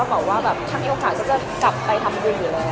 บอกว่าแบบถ้ามีโอกาสก็จะกลับไปทำบุญอยู่แล้ว